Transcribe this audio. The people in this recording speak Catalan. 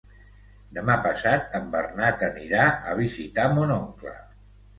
Demà passat en Bernat anirà a visitar mon oncle.